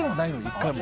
１回も。